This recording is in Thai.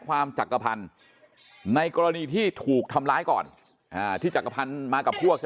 ความจักรพรรณในกรณีที่ถูกทำร้ายก่อนที่จักรพรรณมากับพวก